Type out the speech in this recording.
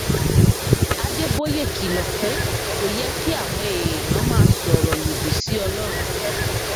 Adébóyè kìlọ̀ pé kò yẹ kí àwọn èèyàn máa sọ̀rọ̀ lòdì sí Ọlọ́run.